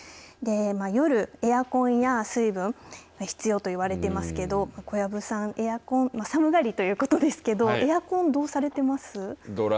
夜エアコンや水分必要と言われていますけれど小籔さん、エアコン寒がりということですけれどエアコンどうされてます。